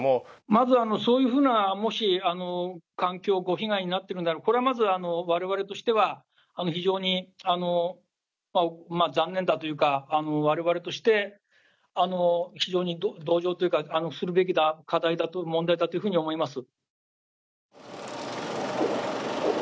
まずそういうふうな、もし環境ご被害になっているんだろう、これはまず我々としては非常に残念だというか我々として非常に同情というか、するべき課題、問題だというふうに思います。